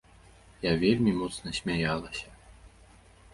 Я вельмі моцна смяялася.